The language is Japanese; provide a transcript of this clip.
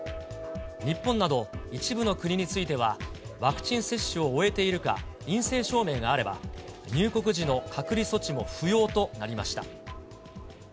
日本など一部の国については、ワクチン接種を終えているか、陰性証明があれば、入国時の隔離措置も不要となりました。